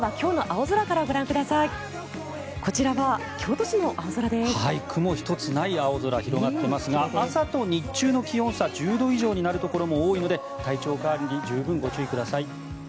青空が広がっていますが朝と日中の気温差１０度以上になるところも多いので体調管理十分ご注意ください。